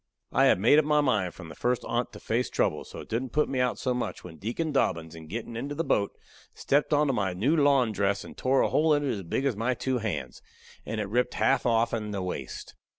I had made up my mind from the first on't to face trouble, so it didn't put me out so much when Deacon Dobbins, in gettin' into the boat, stepped onto my new lawn dress and tore a hole in it as big as my two hands, and ripped it half offen the waist.